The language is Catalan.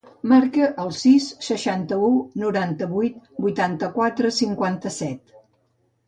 Marca el sis, seixanta-u, noranta-vuit, vuitanta-quatre, cinquanta-set.